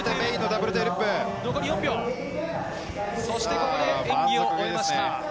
ここで演技を終えました。